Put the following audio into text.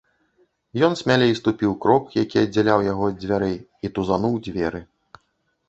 Ён смялей ступіў крок, які аддзяляў яго ад дзвярэй, і тузануў дзверы.